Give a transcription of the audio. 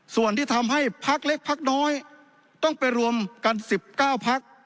ส่วนที่ทำให้ภักดิ์เล็กภักดิ์น้อยต้องไปรวมกันสิบเก้าภักดิ์